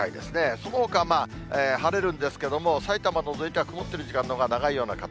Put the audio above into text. そのほか晴れるんですけども、さいたま除いては曇ってる時間のほうが長いような形。